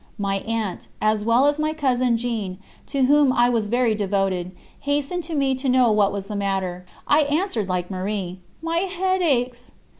My aunt, as well as my cousin Jeanne, to whom I was very devoted, hastened to me to know what was the matter. I answered like Marie: "My head aches."